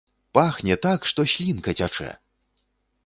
Пахне так, што слінка цячэ!